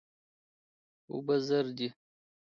اوبه زر دي.